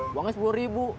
buangnya sepuluh ribu